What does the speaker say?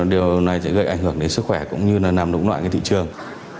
điều này sẽ gây ảnh hưởng đến sức khỏe cũng như là nằm đúng loại thị trường